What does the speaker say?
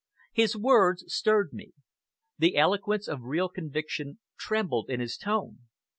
His words stirred me. The eloquence of real conviction trembled in his tone.